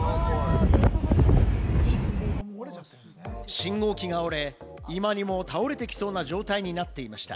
信号機が折れ、今にも倒れてきそうな状態になっていました。